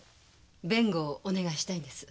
弁護をお願いしたいんです。